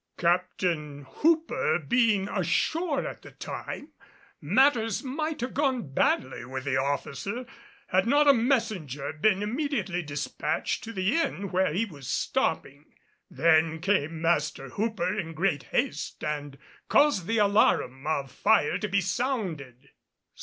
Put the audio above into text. Captain Hooper being ashore at the time, matters might have gone badly with the officer, had not a messenger been immediately despatched to the inn where he was stopping. Then came Master Hooper in great haste and caused the alarum of fire to be sounded.